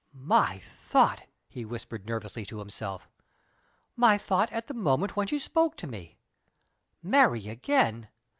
"My thought!" he whispered nervously to himself. "My thought at the moment when she spoke to me! Marry again?